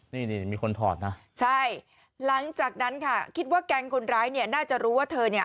นี่นี่มีคนถอดนะใช่หลังจากนั้นค่ะคิดว่าแก๊งคนร้ายเนี่ยน่าจะรู้ว่าเธอเนี่ย